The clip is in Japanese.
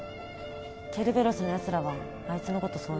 ケルベロスのやつらはあいつのことそう呼ぶ。